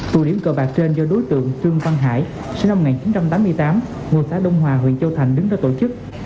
tụ điểm cờ bạc trên do đối tượng trương văn hải sinh năm một nghìn chín trăm tám mươi tám ngôi xã đông hòa huyện châu thành đứng ra tổ chức